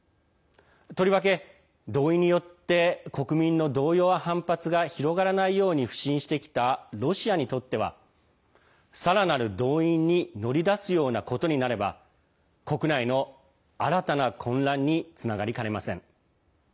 とりわけ動員によって国民の動揺や反発が広がらないように腐心してきたロシアにとってはさらなる動員に乗り出すようなことになれば国内の新たな混乱につながりかねません。